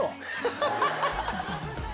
ハハハハ！